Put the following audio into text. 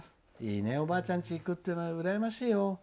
いいね、おばあちゃんち行くのってうらやましいよ。